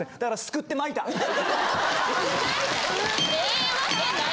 ええわけない！